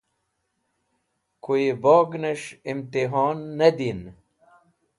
Kuyẽ bognes̃h imtihon ne din.